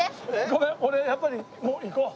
ごめん俺やっぱりもう行こう。